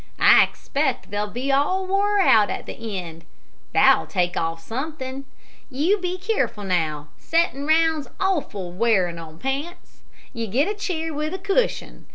I expect they'll be all wore out at the end. That'll take off something. You be careful, now. Settin' round's awful wearin' on pants. You get a chair with a cushion.